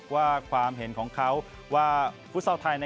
ว่าความเห็นของเขาว่าฟุตซอลไทย